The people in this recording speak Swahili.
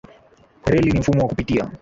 Reli ni mfumo wa kupitia.